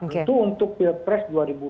tentu untuk pilpres dua ribu dua puluh empat